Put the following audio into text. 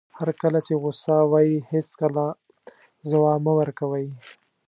هر کله چې غوسه وئ هېڅکله ځواب مه ورکوئ.